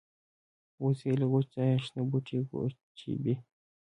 وزې له وچ ځایه شنه بوټي وچيبي